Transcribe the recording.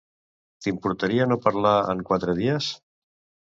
T'importaria no parlar en quatre dies?